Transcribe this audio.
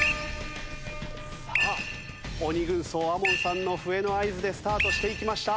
さあ鬼軍曹ＡＭＯＮさんの笛の合図でスタートしていきました。